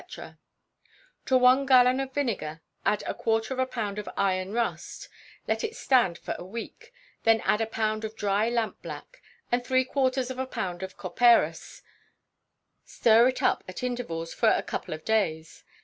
_ To one gallon of vinegar add a quarter of a pound of iron rust, let it stand for a week; then add a pound of dry lampblack, and three quarters of a pound of copperas; stir it up at intervals for a couple of days.